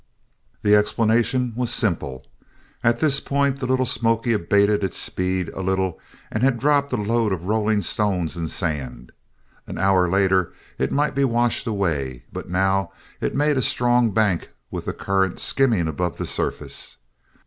The explanation was simple. At this point the Little Smoky abated its speed a little and had dropped a load of rolling stones and sand. An hour later it might be washed away, but now it made a strong bank with the current skimming above the surface.